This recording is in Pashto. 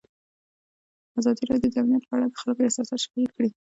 ازادي راډیو د امنیت په اړه د خلکو احساسات شریک کړي.